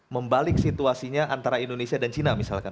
membalik situasinya antara indonesia dan cina misalkan